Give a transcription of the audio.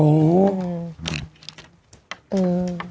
อืม